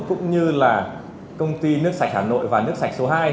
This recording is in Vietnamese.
cũng như là công ty nước sạch hà nội và nước sạch số hai